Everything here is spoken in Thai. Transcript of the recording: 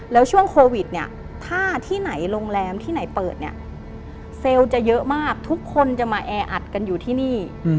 แล้วช่วงโควิดเนี่ยถ้าที่ไหนโรงแรมที่ไหนเปิดเนี่ยเซลล์จะเยอะมากทุกคนจะมาแออัดกันอยู่ที่นี่